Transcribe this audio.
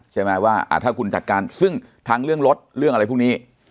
ใช่ไหมว่าถ้าคุณจัดการซึ่งทั้งเรื่องรถเรื่องอะไรพวกนี้